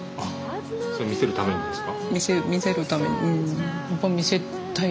それは見せるためにですか？